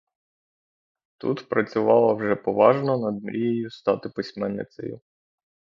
Тут працювала вже поважно над мрією стати письменницею.